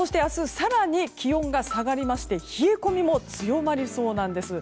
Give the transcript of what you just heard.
更に気温が下がりまして冷え込みも強まりそうなんです。